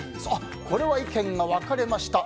これは意見が分かれました。